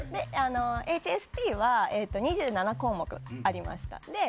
ＨＳＰは２７項目ありました。